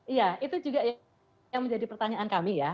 iya itu juga yang menjadi pertanyaan kami ya